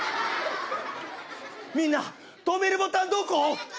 みんな止めるボタンどこ？